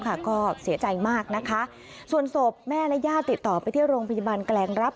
ก็เสียใจมากนะคะส่วนศพแม่และญาติติดต่อไปที่โรงพยาบาลแกลงรับ